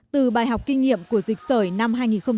từ bài học kinh nghiệm của dịch sởi năm hai nghìn một mươi chín